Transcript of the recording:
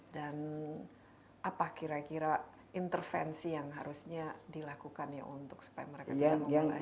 dan apa kira kira intervensi yang harusnya dilakukan ya untuk supaya mereka tidak mengulai